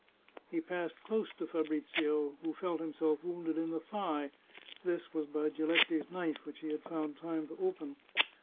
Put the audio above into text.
He passed close to Fabrizio, who felt himself wounded in the thigh; this was by Giletti's knife, which he had found time to open.